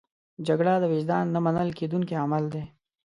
جګړه د وجدان نه منل کېدونکی عمل دی